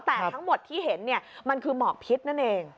แต่ทั้งหมดที่เห็นมันคือหมอกพิษนั่นเอง